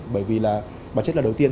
bởi vì là bản chất là đầu tiên